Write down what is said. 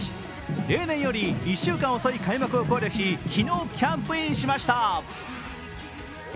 例年より１週間遅い開幕を考慮し昨日、キャンプインしました。